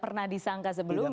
pernah disangka sebelumnya